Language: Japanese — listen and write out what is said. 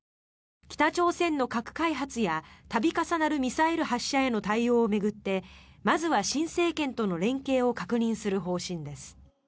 北朝鮮の核開発や度重なるミサイル発射への対応を巡ってまずは新政権との連携を確認する方針です。